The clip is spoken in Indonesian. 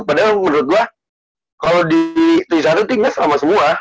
padahal menurut gua kalo di tujuh puluh satu tinggal sama semua